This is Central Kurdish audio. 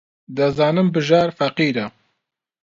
دەزانم بژار فەقیرە.